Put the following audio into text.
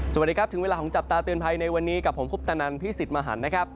สวัสดีครับถึงเวลาของจับตาเตือนภัยในวันนี้กับผมคุปตนันพี่สิทธิ์มหันนะครับ